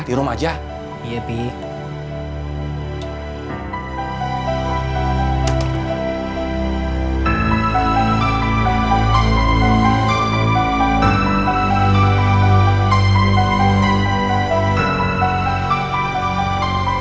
di rumah aja